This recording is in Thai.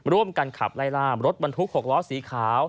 ร่วมกันขับไล่ล่ามรถบรรทุก๖ล้อสีขาว